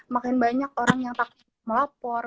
makin banyak orang yang takut melapor